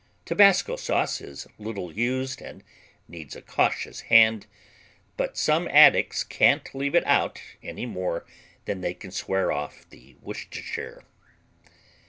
Tabasco sauce is little used and needs a cautious hand, but some addicts can't leave it out any more than they can swear off the Worcestershire.